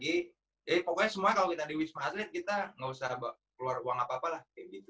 jadi pokoknya semua kalau kita di wisma atlet kita nggak usah keluar uang apa apa lah